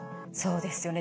そうです。